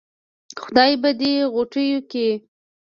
خدا به دې ِغوټېو کې